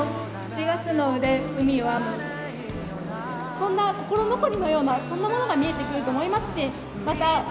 そんな心残りのようなそんなものが見えてくると思いますしまた。